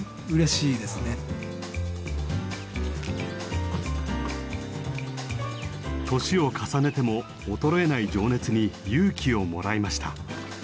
年を重ねても衰えない情熱に勇気をもらいました。